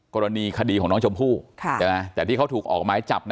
กรณีคดีของน้องชมพู่แต่ที่เขาถูกออกไม้จับนะ